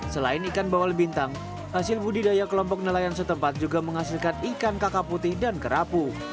selain ikan bawal bintang hasil budidaya kelompok nelayan setempat juga menghasilkan ikan kakak putih dan kerapu